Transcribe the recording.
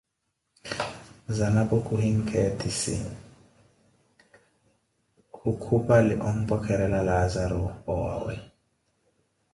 Zanapo khuhinkheetisi, khu kupali ompwekerela Laazaru owaawe.